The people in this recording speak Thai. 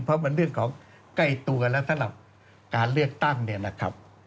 เพราะมันเรื่องของใกล้ตัวแล้วสำหรับการเลือกตั้งเนี่ยนะครับ